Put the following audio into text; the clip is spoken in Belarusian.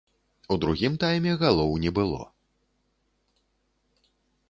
У другім тайме галоў не было.